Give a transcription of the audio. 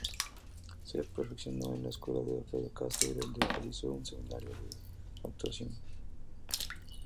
Se perfeccionó en la escuela de Alfredo Castro, donde realizó un seminario de actuación.